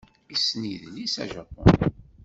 Yessen idles ajapuni.